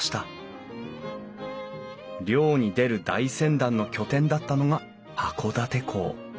漁に出る大船団の拠点だったのが函館港。